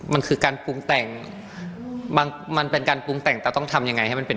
มันคือการปรุงแต่งมันเป็นการปรุงแต่งแต่ต้องทำยังไงให้มันเป็น